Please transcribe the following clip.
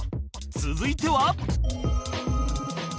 続いては